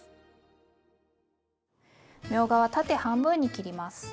みょうがは縦半分に切ります。